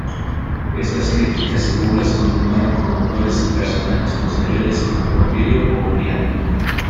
Estas críticas y burlas continuaron con autores y personajes posteriores como Porfirio o Juliano.